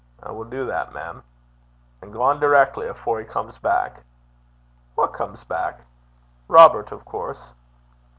'I wull do that, mem.' 'An' gang direckly, afore he comes back.' 'Wha comes back?' 'Robert, of course.'